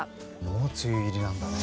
もう梅雨入りなんだね。